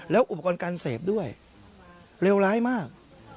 แล้วอุปกรณ์การเสพด้วยเลวร้ายมาก